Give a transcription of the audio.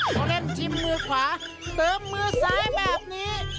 พอเล่นชิมมือขวาเติมมือซ้ายแบบนี้